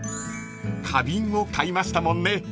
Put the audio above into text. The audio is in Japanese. ［花瓶を買いましたもんね